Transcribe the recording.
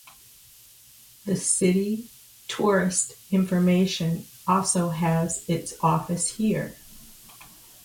The city Tourist Information also has its office here.